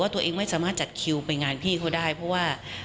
ตัวเองไม่สามารถจัดคิวไปงานพี่เขาได้เพราะว่า